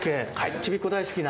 ちびっ子大好きな。